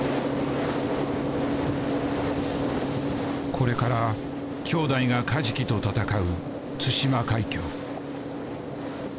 これから兄弟がカジキと闘う対馬海峡。